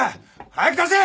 早く出せ！